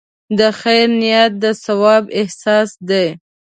د خیر نیت د ثواب اساس دی.